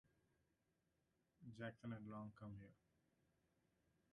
Jackson and Long, come here.